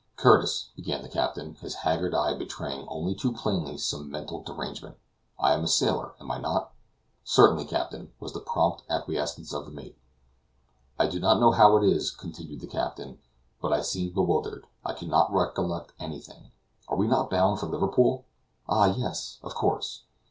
"Curtis," began the captain, his haggard eye betraying only too plainly some mental derangement, "I am a sailor, am I not?" "Certainly, captain," was the prompt acquiescence of the mate. "I do not know how it is," continued the captain, "but I seem bewildered; I can not recollect anything. Are we not bound for Liverpool? Ah! yes! of course.